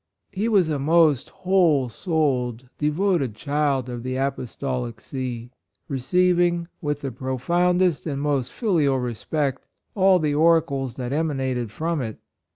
He was a most whole souled, de voted child of the Apostolic See — receiving, with the profoundest and most filial respect, all the oracles that emanated from it.